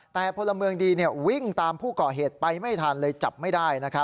แต่พลเมืองดีวิ่งตามผู้ก่อเหตุไปไม่ทันเลยจับไม่ได้